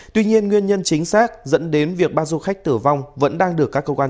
tuy nhiên nguyên nhân chính xác dẫn đến việc ba du khách tử vong vẫn đang được các cơ quan